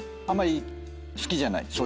あまり好きじゃない？